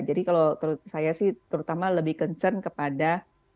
kalau saya sih terutama lebih concern kepada